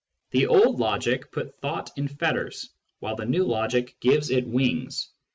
The old logic put thought in fetters, while the new logic gives it wings.